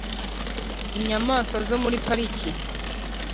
inyamaswa zo muri pariki